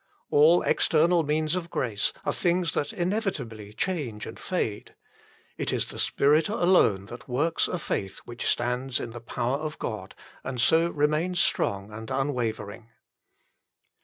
All external means of grace are things that inevitably change and fade. It is the Spirit alone that works a faith which stands in the power of God, and so remains strong and unwavering.